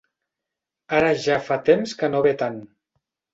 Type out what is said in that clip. Ara ja fa temps que no ve tant.